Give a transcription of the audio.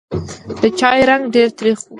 د چای رنګ ډېر تریخ و.